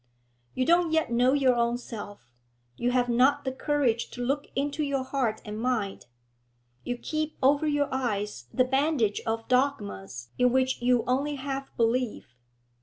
You don't yet know your own self; you have not the courage to look into your heart and mind; you keep over your eyes the bandage of dogmas in which you only half believe.